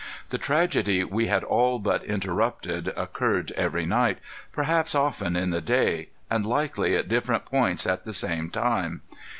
The tragedy we had all but interrupted occurred every night, perhaps often in the day and likely at different points at the same time.